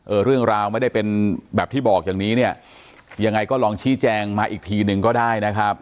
เรื่องราวไม่ได้เป็นแบบที่บอกอย่างนี้เนี่ยยังไงก็ลองชี้แจงมาอีกทีหนึ่งก็ได้นะครับ